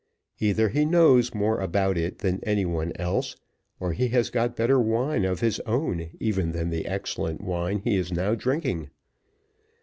Either he knows more about it than any one else, or he has got better wine of his own even than the excellent wine he is now drinking.